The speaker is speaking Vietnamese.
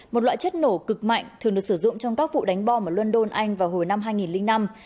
một loại chất nổ cực mạnh thường được sử dụng trong các vụ đánh bom ở london anh vào hồi năm hai nghìn năm